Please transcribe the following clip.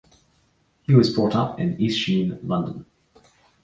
He was brought up in East Sheen, London.